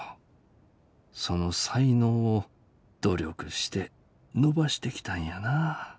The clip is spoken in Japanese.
その才能を努力して伸ばしてきたんやな。